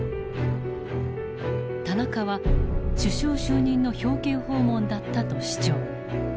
田中は首相就任の表敬訪問だったと主張。